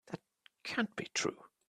That can't be true.